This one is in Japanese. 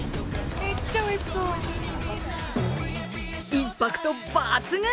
インパクト抜群！